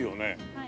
はい。